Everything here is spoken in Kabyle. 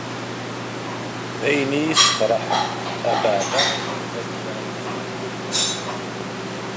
D ayen i yi-yesferḥen, abeɛda imi d Nadiya i yi-t-id-imudden.